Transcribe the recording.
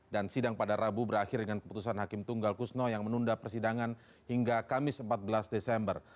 dan sidang pada rabu berakhir dengan keputusan hakim tunggal kusno yang menunda persidangan hingga kamis empat belas desember